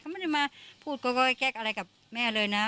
เขาไม่ได้มาพูดก็แก๊กอะไรกับแม่เลยนะ